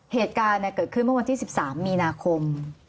เหตุการณ์เกิดขึ้นเมื่อวันที่๑๓มีนาคม